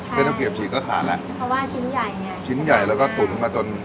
ไม่ต้องเก็บฉีดก็ขาดแล้วเพราะว่าชิ้นใหญ่ไงชิ้นใหญ่แล้วก็ตุ๋นมาจน